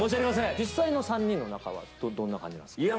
実際の３人の仲は、どんな感じないや